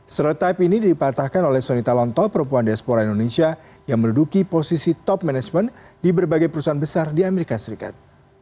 stereotype ini dipatahkan oleh soni talonto perempuan diaspora indonesia yang menduduki posisi top management di berbagai perusahaan besar di amerika serikat